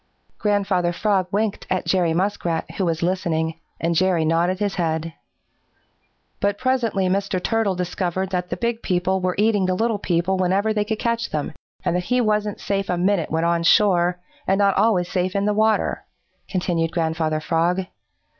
Grandfather Frog winked at Jerry Muskrat, who was listening, and Jerry nodded his head. "But presently Mr. Turtle discovered that the big people were eating the little people whenever they could catch them, and that he wasn't safe a minute when on shore, and not always safe in the water," continued Grandfather Frog.